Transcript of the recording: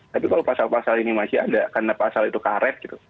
tapi kalau pasal pasal ini masih ada karena pasal itu karet gitu